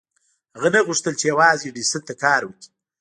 هغه نه غوښتل چې يوازې ايډېسن ته کار وکړي.